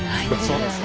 そうです